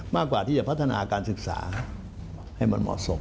มากกว่าที่จะพัฒนาการศึกษาให้มันเหมาะสม